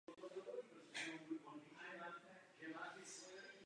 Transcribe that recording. Poté pracoval v Sokolově na opravách a údržbě důlních strojů.